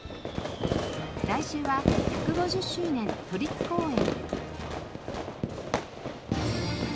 来週は１５０周年都立公園。